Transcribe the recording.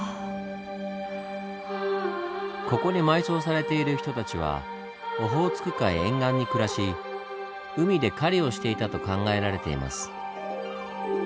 ここに埋葬されている人たちはオホーツク海沿岸に暮らし海で狩りをしていたと考えられています。